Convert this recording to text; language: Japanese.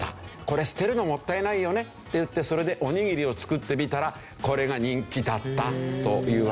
これ捨てるのもったいないよねっていってそれでおにぎりを作ってみたらこれが人気だったというわけですけどね。